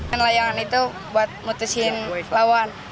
main layangan itu buat memutuskan lawan